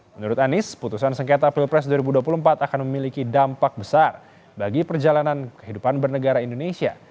menurut anies putusan sengketa pilpres dua ribu dua puluh empat akan memiliki dampak besar bagi perjalanan kehidupan bernegara indonesia